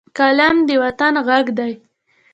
قلم د وطن غږ دی